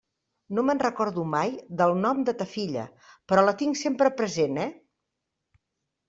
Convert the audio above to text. No me'n recordo mai del nom de ta filla, però la tinc sempre present, eh?